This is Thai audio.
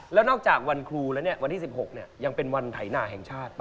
แล้วนอกจากวันครูแล้วเนี่ยวันที่๑๖ยังเป็นวันไถนาแห่งชาติป่